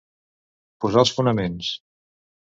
Posar els fonaments.